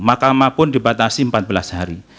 mahkamah pun dibatasi empat belas hari